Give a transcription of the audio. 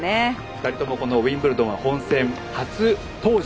２人ともウィンブルドンは本戦初登場。